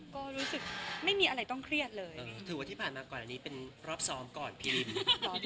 ก็รู้สึกไม่มีอะไรต้องเครียดเลยถือว่าที่ผ่านมาก่อนอันนี้เป็นรอบสองก่อนพี่ริม